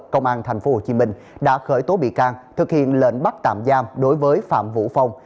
công an tp hcm đã khởi tố bị can thực hiện lệnh bắt tạm giam đối với phạm vũ phong